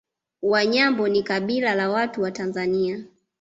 Wanyambo ni kabila la watu wa Tanzania